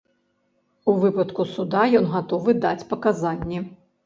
У выпадку суда ён гатовы даць паказанні.